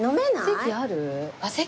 席ある？